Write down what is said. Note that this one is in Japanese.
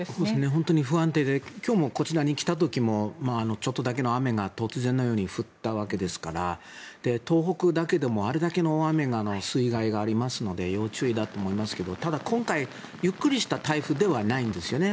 本当に不安定で今日もこちらに来た時にもちょっとだけの雨が突然のように降ったわけですから東北だけでもあれだけの大雨が水害がありますので要注意だと思いますけどただ、今回ゆっくりした台風ではないんですよね。